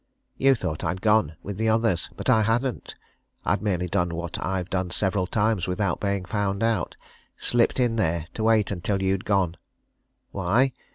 You thought I'd gone with the others. But I hadn't. I'd merely done what I've done several times without being found out slipped in there to wait until you'd gone. Why?